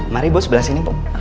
mari bu sebelah sini bu